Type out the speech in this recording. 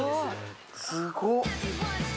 すごっ。